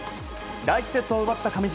第１セットを奪った上地。